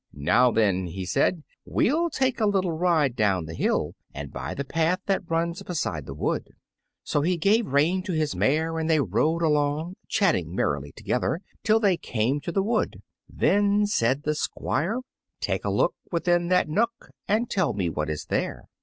"Now, then," he said, "we'll take a little ride down the hill and by the path that runs beside the wood." So he gave the rein to his mare and they rode along, chatting merrily together, till they came to the wood. Then said the Squire, "Take a look within that nook And tell me what is there."